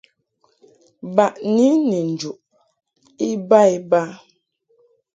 Baʼni ni njuʼ iba iba.